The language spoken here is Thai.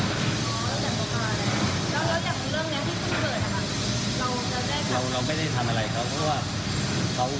ส่วนอื่นเราไม่ได้เกี่ยวข้อหา